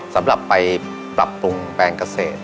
สำหรับไปปรับปรุงแปลงเกษตร